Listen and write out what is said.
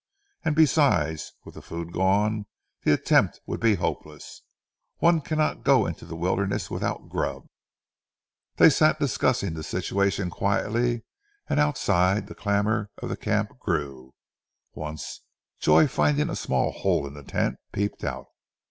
And besides, with the food gone the attempt would be hopeless. One cannot go into the wilderness without grub." They sat discussing the situation quietly, and outside, the clamour of the camp grew. Once Joy, finding a small hole in the tent, peeped out.